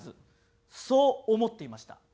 そう思っていました。